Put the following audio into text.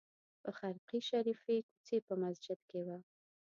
په خرقې شریفې کوڅې په مسجد کې وه.